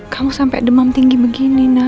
kamu sampai demam tinggi begini nak